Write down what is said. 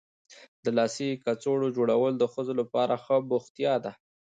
د لاسي کڅوړو جوړول د ښځو لپاره ښه بوختیا ده.